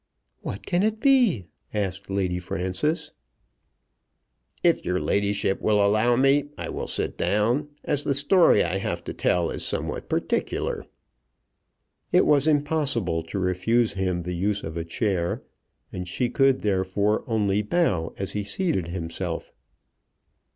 "What can it be?" asked Lady Frances. "If your ladyship will allow me I will sit down, as the story I have to tell is somewhat particular." It was impossible to refuse him the use of a chair, and she could therefore only bow as he seated himself.